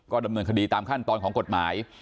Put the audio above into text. ดำเนินคดีตามขั้นตอนของกฎหมาย